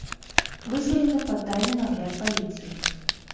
Вызвалены пад тайны нагляд паліцыі.